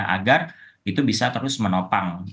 agar itu bisa terus menopang